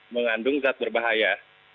mengandung zat berbahaya